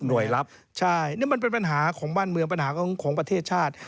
โดยรับใช่นี่มันเป็นปัญหาของบ้านเมืองปัญหาของประเทศชาติ